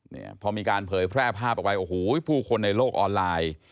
เนี่ยพอมีการเผยแพร่ภาพออกไปโอ้โหผู้คนในโลกออนไลน์